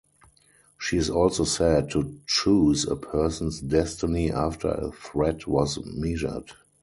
She is also said to choose a person's destiny after a thread was measured.